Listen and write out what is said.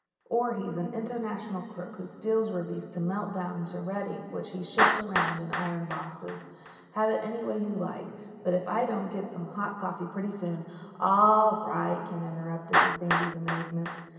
Or he's an international crook who steals rubies to melt down into red ink which he ships around in iron boxes. Have it any way you like. But if I don't get some hot coffee pretty soon—" "All right," Ken interrupted, to Sandy's amazement.